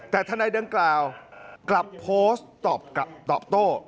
แต่ทนายดังกล่าวกลับโพสต์ตอบโต้